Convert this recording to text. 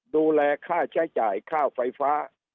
ดูแลค่าใช้จ่ายค่าไฟฟ้า